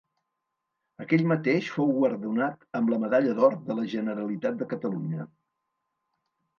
Aquell mateix fou guardonat amb la Medalla d'Or de la Generalitat de Catalunya.